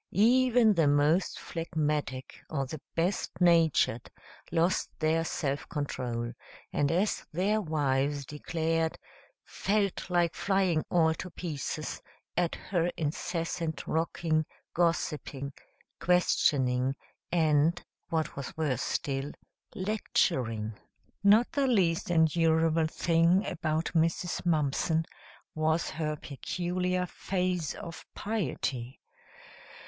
Even the most phlegmatic or the best natured lost their self control, and as their wives declared, "felt like flying all to pieces" at her incessant rocking, gossiping, questioning, and, what was worse still, lecturing. Not the least endurable thing about Mrs. Mumpson was her peculiar phase of piety.